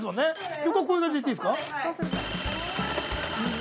横、こういう感じで行っていいですか。